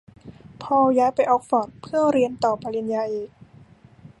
พอลย้ายไปออกฟอร์ดเพื่อเรียนต่อปริญญาเอก